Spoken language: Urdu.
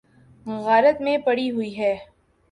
غارت میں پڑی ہوئی ہے۔